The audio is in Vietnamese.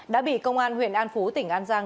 đã bị công an huyện an phú tỉnh an giang